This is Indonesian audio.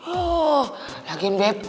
oh yakin beb